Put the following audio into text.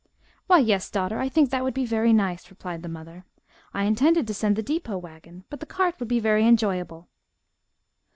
"Why, yes, daughter, I think that would be very nice," replied the mother. "I intended to send the depot wagon, but the cart would be very enjoyable."